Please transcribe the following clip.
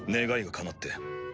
願いがかなって。